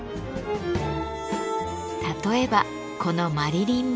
例えばこのマリリン・モンロー。